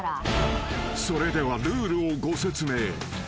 ［それではルールをご説明］